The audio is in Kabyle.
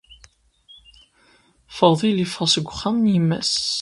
Fadil yeffeɣ seg uxxam n yemma-s.